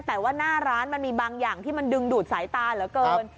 แต่ว่าหน้าร้านมันมีบางอย่างที่มันดึงดูดสายตาเหลือเกิน